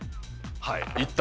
はい。